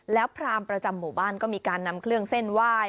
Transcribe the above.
แล้วพรามประจำหมู่บ้านก็มีการนำเครื่องเส้นไหว้